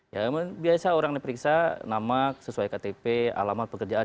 ya biasa orang diperiksa nama sesuai ktp alamat pekerjaan